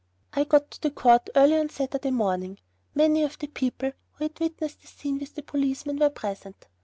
I got to the court early on Saturday morning. Many of the people who had witnessed the scene with the policeman were present.